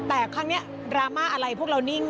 แต่ครั้งนี้ดราม่าอะไรพวกเรานิ่ง